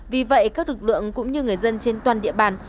vì vậy các lực lượng cũng như người dân trên toàn địa bàn